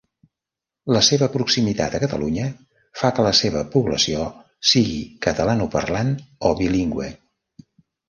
La seva proximitat a Catalunya fa que la seva població sigui catalanoparlant o bilingüe.